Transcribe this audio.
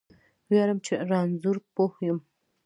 ویاړم چې رانځور پوه یم